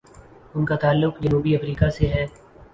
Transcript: ان کا تعلق جنوبی افریقہ سے ہے۔